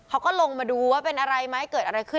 เขาก็ลงมาดูว่าเป็นอะไรไหมเกิดอะไรขึ้น